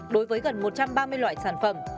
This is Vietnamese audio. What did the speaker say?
đối với gần một trăm ba mươi loại sản phẩm